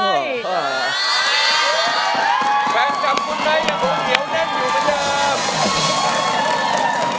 แฟนคลับคุณไนท์ยังคงเหนียวแน่นอยู่เหมือนเดิม